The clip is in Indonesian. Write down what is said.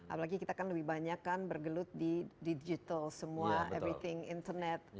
apalagi kita kan lebih banyak kan bergelut di digital semua everything internet